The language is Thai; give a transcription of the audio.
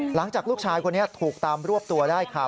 หลังจากลูกชายคนนี้ถูกตามรวบตัวได้ค่ะ